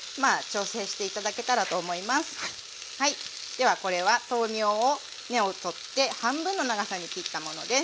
ではこれは豆苗を根を取って半分の長さに切ったものです。